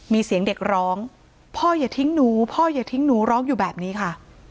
มีเสียงเด็กร้องพ่ออย่าทิ้งหนูพ่ออย่าทิ้งหนูร้องอยู่แบบนี้ค่ะ